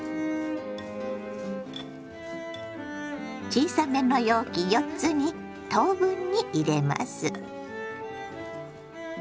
小さめの容器４つに等分に入れます。